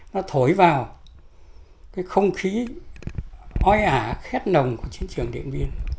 nó thổi vào cái không khí oi ả khét nồng của chiến trường điện biên